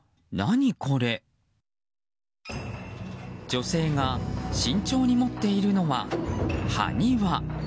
女性が慎重に持っているのは埴輪。